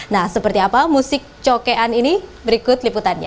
nah seperti apa musik cokean ini berikut liputannya